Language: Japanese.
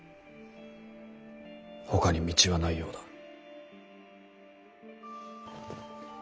ほかに道はないようだ。